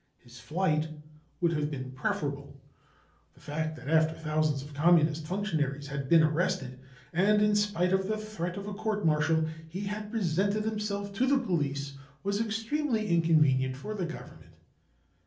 His Eight would have been preferable. The fact that, after thousands of Communist functionaries i f I: \ A: 128 BROWN BOOK OF THE HITLER TERROR had been arrested and in spite of the threat of a court , martial, he had presented himself to the police was extremely inconvenient for the Government.